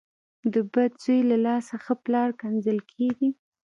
د بد زوی له لاسه ښه پلار کنځل کېږي .